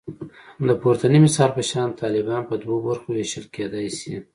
د پورتني مثال په شان طالبان په دوو برخو ویشل کېدای شي